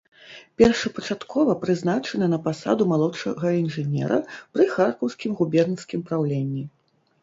Першапачаткова прызначаны на пасаду малодшага інжынера пры харкаўскім губернскім праўленні.